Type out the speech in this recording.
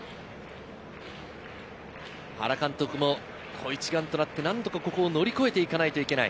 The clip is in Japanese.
原監督も、一丸となって何とかここを乗り越えていかないといけない。